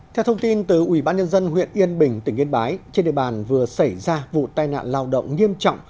theo thông tin từ ubnd huyện yên bình tỉnh yên bái trên địa bàn vừa xảy ra vụ tai nạn lao động nghiêm trọng